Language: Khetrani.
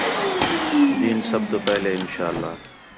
دِین سب توں پہلے اِن شاء اللہ